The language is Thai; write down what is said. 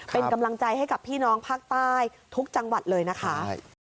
เป็นกำลังใจให้กับพี่น้องภาคใต้ทุกจังหวัดเลยนะคะ